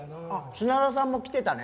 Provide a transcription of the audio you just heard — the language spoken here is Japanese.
砂田さんも来てたね。